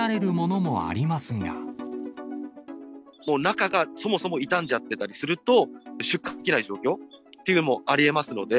もう中がそもそも傷んじゃってたりすると、出荷できない状況っていうのもありえますので。